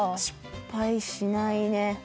失敗しないね。